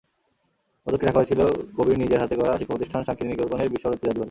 পদকটি রাখা হয়েছিল কবির নিজের হাতে গড়া শিক্ষাপ্রতিষ্ঠান শান্তিনিকেতনের বিশ্বভারতী জাদুঘরে।